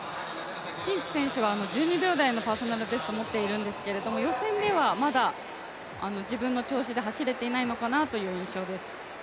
ティンチ選手は１２秒台のパーソナルベスト持ってるんですけれども予選ではまだ自分の調子で走れていないのかなという印象です。